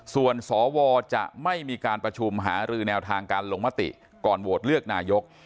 ส่วนสวจะไม่มีการประชุมหารือแนวทางการลงมติก่อนโหวตเลือกนายก